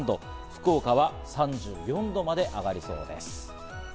福岡は３４度まで上がりそうです。